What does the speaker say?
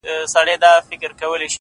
د زيارتـونو يې خورده ماتـه كـړه’